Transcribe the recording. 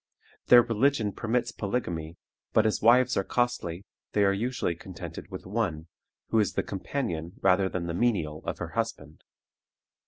Their religion permits polygamy, but as wives are costly, they are usually contented with one, who is the companion rather than the menial of her husband.